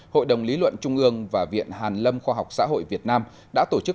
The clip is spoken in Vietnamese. hội đồng lý luận trung ương và viện hàn lâm khoa học xã hội việt nam đã tổ chức